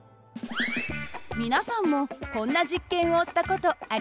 皆さんもこんな実験をした事ありませんか？